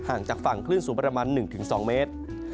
จากฝั่งคลื่นสูงประมาณ๑๒เมตร